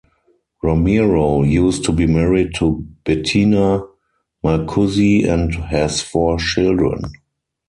Romero used to be married to Betina Marcuzzi and has four children.